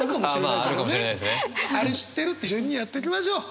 あれ知ってる？って順にやっていきましょう！